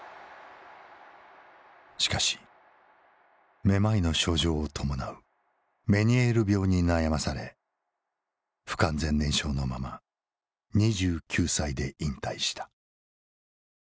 しかしめまいの症状を伴うメニエール病に悩まされ不完全燃焼のまま２９歳で引退した。